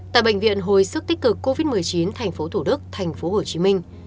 tại bệnh viện hồi sức tích cực covid một mươi chín tp thủ đức tp hồ chí minh